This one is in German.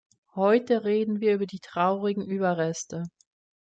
Heute reden wir über die traurigen Überreste.